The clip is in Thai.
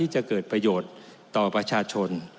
จะเกิดประโยชน์ต่อประชาชน